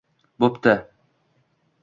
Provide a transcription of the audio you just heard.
bo'pti.